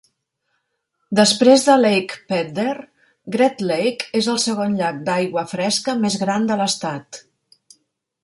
Després de Lake Pedder, Great Lake és el segon llac d"aigua fresca més gran de l"estat.